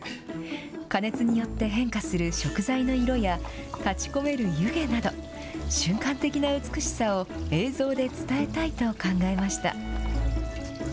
加熱によって変化する食材の色や、立ちこめる湯気など、瞬間的な美しさを、映像で伝えたいと考えました。